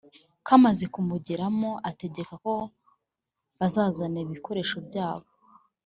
Kamaze kumugeramo ategeka ko bazana ibikoresho byabo